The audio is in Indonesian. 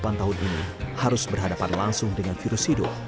pemuda dua puluh delapan tahun ini harus berhadapan langsung dengan virus hidup